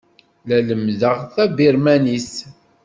La lemmdeɣ tabirmanit.